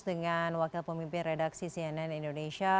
dengan wakil pemimpin redaksi cnn indonesia